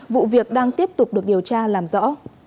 vụ việc đang tiếp tục được điều tra làm rõ